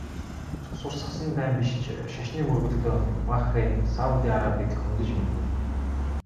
Цус урсгасан дайн биш ч шашны мөргөлдөөн Бахрейн, Саудын Арабыг хөндөж мэднэ.